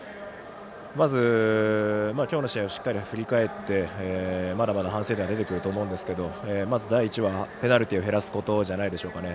まず、今日の試合をしっかり振り返ってまだまだ反省点は出てくると思うんですがまず第一はペナルティーを減らすことじゃないですかね。